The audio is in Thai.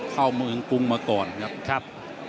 เข้าเมืองกรุงมาก่อนครับ